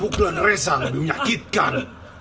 pukulan reza lebih menyakitkan